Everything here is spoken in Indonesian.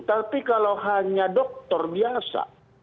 tapi kalau hanya dokter biasa